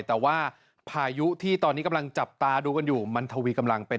แต่ว่าพายุที่ตอนนี้กำลังจับตาดูกันอยู่มันทวีกำลังเป็น